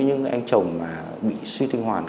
những anh chồng mà bị suy tinh hoàn